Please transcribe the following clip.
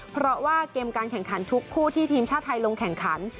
เพราะว่าเกมการแข่งขันทุกคู่ที่ทีมชาติไทยลงแข่งขัน